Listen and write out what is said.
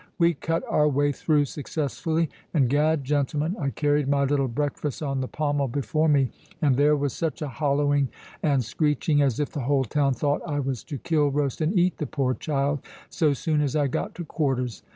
We cut our way through successfully; and Gad, gentlemen, I carried my little Breakfast on the pommel before me; and there was such a hollowing and screeching, as if the whole town thought I was to kill, roast, and eat the poor child, so soon as I got to quarters.